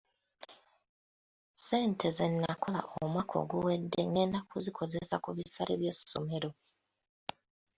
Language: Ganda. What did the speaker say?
Ssente ze nakola omwaka oguwedde ngenda kuzikozesa ku bisale by’essomero.